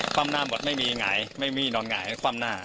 ว่ำหน้าหมดไม่มีหงายไม่มีนอนหงายคว่ำหน้า